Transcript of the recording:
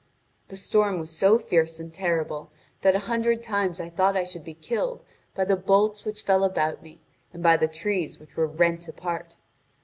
The storm was so fierce and terrible that a hundred times I thought I should be killed by the bolts which fell about me and by the trees which were rent apart.